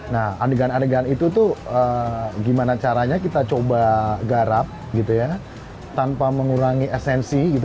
nah adegan adegan itu tuh gimana caranya kita coba garap gitu ya tanpa mengurangi esensi gitu